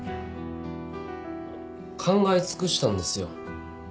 考え尽くしたんですよ。